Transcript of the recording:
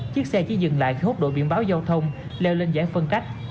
chiếc xe chỉ dừng lại khi hút đội biển báo giao thông leo lên giải phân cách